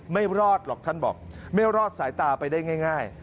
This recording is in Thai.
ไม่รอดหรอกท่านบอกไม่รอดสายตาไปได้ง่าย